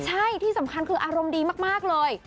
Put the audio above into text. ใช่ที่สำคัญคืออารมณ์ดีมากเลย